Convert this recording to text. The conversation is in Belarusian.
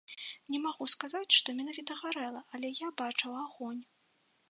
Не магу сказаць, што менавіта гарэла, але я бачыў агонь.